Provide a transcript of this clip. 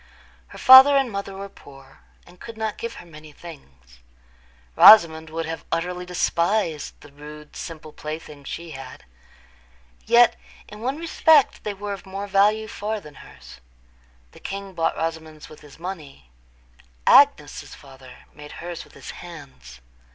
Her father and mother were poor, and could not give her many things. Rosamond would have utterly despised the rude, simple playthings she had. Yet in one respect they were of more value far than hers: the king bought Rosamond's with his money; Agnes's father made hers with his hands.